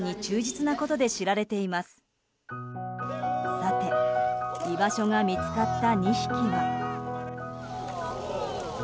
さて、居場所が見つかった２匹は。